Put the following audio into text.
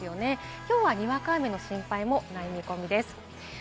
今日はにわか雨の心配もない見込みです。